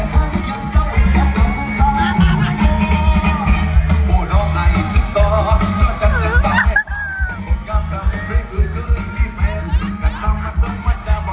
ภูมิใจจังแล้วเจอเมฆาะมันจังเต็มถึงตาอัก